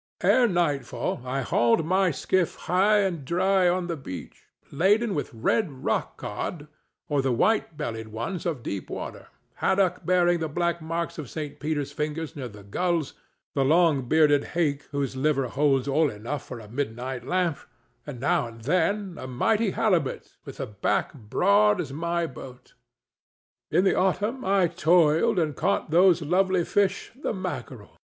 Ere nightfall I hauled my skiff high and dry on the beach, laden with red rock cod or the white bellied ones of deep water, haddock bearing the black marks of St. Peter's fingers near the gills, the long bearded hake whose liver holds oil enough for a midnight lamp, and now and then a mighty halibut with a back broad as my boat. In the autumn I toled and caught those lovely fish the mackerel.